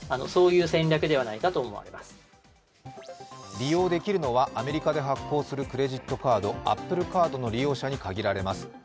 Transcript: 利用できるのはアメリカで発行するクレジットカードＡｐｐｌｅＣａｒｄの利用者に限られます。